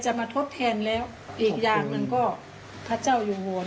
เจ้าหน้าที่น้องดอมตัวสุดเจ้า